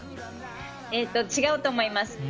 違うと思います。